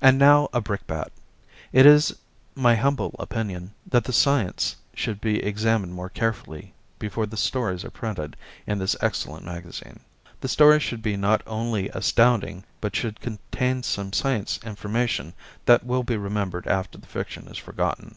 And now a brickbat. It is my humble opinion that the science should be examined more carefully before the stories are printed in this excellent magazine. The stories should be not only astounding, but should contain some science information that will be remembered after the fiction is forgotten.